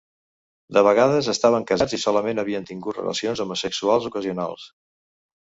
De vegades, estaven casats i solament havien tingut relacions homosexuals ocasionals.